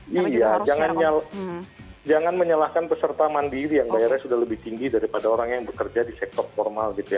iya jangan menyalahkan peserta mandiri yang bayarnya sudah lebih tinggi daripada orang yang bekerja di sektor formal gitu ya